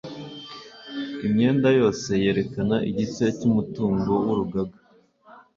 imyenda yose yerekana igice cy umutungo w urugaga